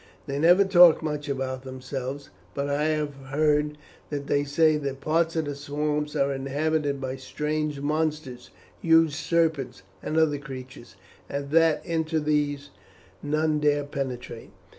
They never talk much about themselves, but I have heard that they say that parts of the swamps are inhabited by strange monsters, huge serpents and other creatures, and that into these none dare penetrate."